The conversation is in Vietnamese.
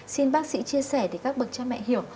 xin bác sĩ chia sẻ để các bậc cha mẹ hiểu